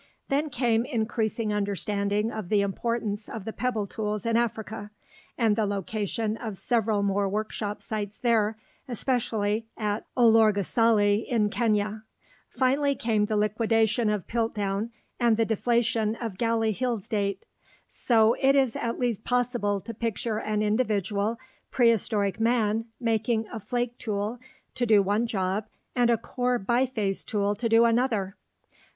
Then came increasing understanding of the importance of the pebble tools in Africa, and the location of several more workshop sites there, especially at Olorgesailie in Kenya. Finally came the liquidation of Piltdown and the deflation of Galley Hill's date. So it is at last possible to picture an individual prehistoric man making a flake tool to do one job and a core biface tool to do another.